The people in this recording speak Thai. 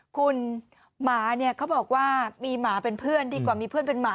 คุณหมาเนี่ยเขาบอกว่ามีหมาเป็นเพื่อนดีกว่ามีเพื่อนเป็นหมา